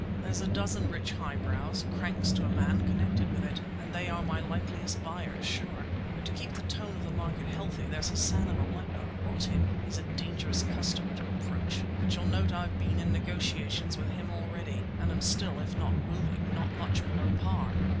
There's a dozen rich highbrows, cranks to a man, connected with it, and they are my likeliest buyers—sure. But to keep the tone of the market healthy there's Hassan of Aleppo, rot him! He's a dangerous customer to approach, but you'll note I've been in negotiation with him already and am still, if not booming, not much below par!"